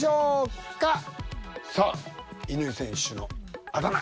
さあ乾選手のあだ名。